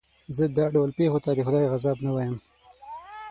زه دا ډول پېښو ته د خدای عذاب نه وایم.